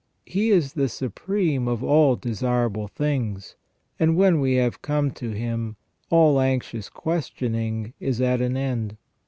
He is the supreme of all desirable things, and when we have come to Him all anxious questioning is at an end.